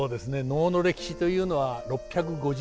能の歴史というのは６５０年以上。